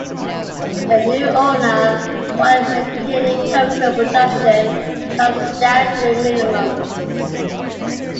The new owner, while maintaining cocoa production, cut staff to a minimum.